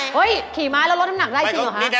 ขี่ม้าแล้วลดน้ำหนักได้จริงเหรอคะ